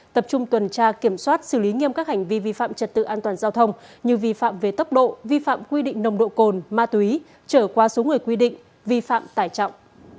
tập trung tuần tra kiểm soát xử lý nghiêm các hành vi vi phạm trật tự an toàn giao thông như vi phạm về tốc độ vi phạm quy định nồng độ cồn ma túy trở qua số người quy định vi phạm tải trọng